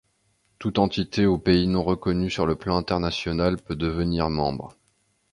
Toute entité ou pays non reconnu sur le plan international peut devenir membre.